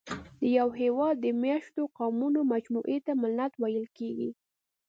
د یوه هېواد د مېشتو قومونو مجموعې ته ملت ویل کېږي.